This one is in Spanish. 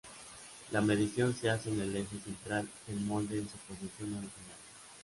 La medición se hace en el eje central del molde en su posición original.